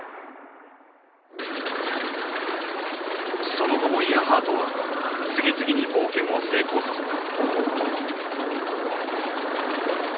その後もイアハートは次々に冒険を成功させた。